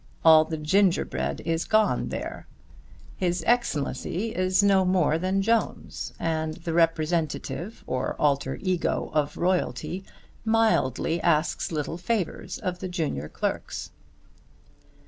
All the gingerbread is gone there. His Excellency is no more than Jones, and the Representative or Alter Ego of Royalty mildly asks little favours of the junior clerks.